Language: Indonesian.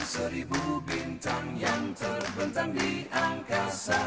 seribu bintang yang terbentang di angkasa